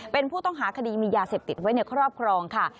เป็นผู้ต้องหาคดีมียาเสพติดไว้ในครอบครองค่ะ